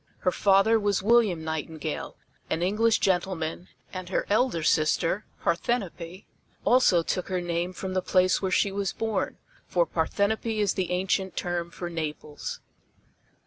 Her father was William Nightingale, an English gentleman, and her elder sister, Parthenope, also took her name from the place where she was born, for Parthenope is the ancient term for Naples.